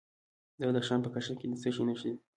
د بدخشان په کشم کې د څه شي نښې دي؟